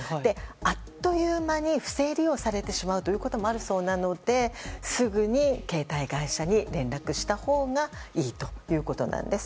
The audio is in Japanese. あっという間に不正利用されてしまうこともあるそうなのですぐに携帯会社に連絡したほうがいいということです。